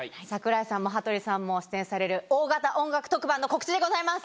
櫻井さんも羽鳥さんも出演される大型音楽特番の告知でございます！